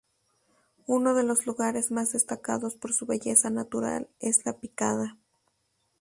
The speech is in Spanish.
Uno de los lugares más destacados por su belleza natural es La Picada.